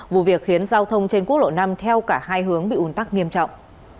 vụ việc khiến giao thông trên quốc lộ năm theo cả hai hướng bị ủn tắc nghiêm trọng